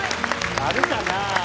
あるかな？